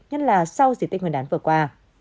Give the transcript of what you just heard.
nhất là sau dịch tích nguyên đán vừa qua